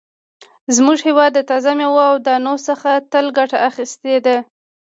زموږ هېواد د تازه مېوو او دانو څخه تل ګټه اخیستې ده.